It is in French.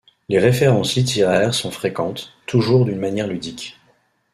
Les références littéraires sont fréquentes, toujours d'une manière ludique.